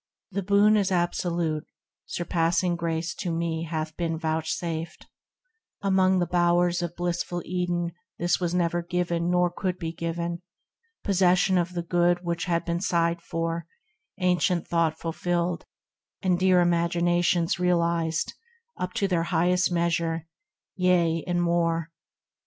8 THE RECLUSE The boon is absolute ; surpassing grace To me hath been vouchsafed ; among the bowers Of blissful Eden this was neither given Nor could be given, possession of the good Which had been sighed for, ancient thought fulfilled, And dear Imaginations realised, Up to their highest measure, yea and more.